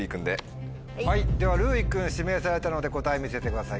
ではるうい君指名されたので答え見せてください。